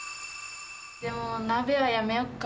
でも鍋はやめようか。